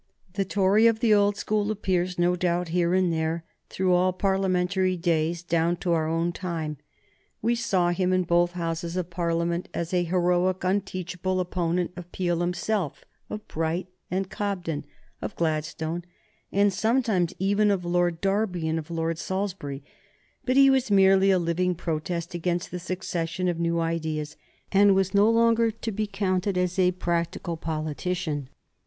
The Tory of the old school appears, no doubt, here and there through all Parliamentary days down to our own time. We saw him in both Houses of Parliament as a heroic, unteachable opponent of Peel himself, of Bright and Cobden, of Gladstone, and sometimes even of Lord Derby and of Lord Salisbury, but he was merely a living protest against the succession of new ideas, and was no longer to be counted as a practical politician.